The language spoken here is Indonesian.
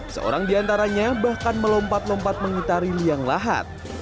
seorang di antaranya bahkan melompat lompat mengitari liang lahat